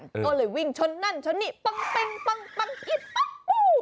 ก็เลยวิ่งชนนั่นชนนี่ปังปิงปังปังอิดปังปู